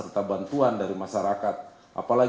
juga sohbat dengan rencanada wawancaraan